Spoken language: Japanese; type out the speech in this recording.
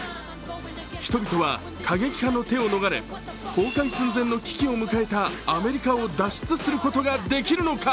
人々は過激派の手を逃れ、崩壊寸前に危機を迎えたアメリカを脱出することができるのか。